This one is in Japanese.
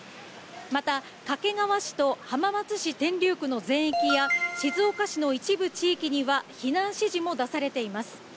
また、掛川市と浜松市天竜区の全域や、静岡市の一部地域には避難指示も出されています。